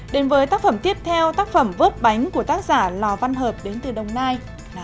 đến với tác phẩm tiếp theo tác phẩm vớt bánh của tác giả lò văn hợp đến từ đồng nai